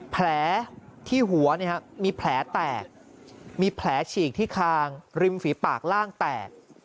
แผลที่หัวมีแผลแตกมีแผลฉีกที่คางริมฝีปากล่างแตก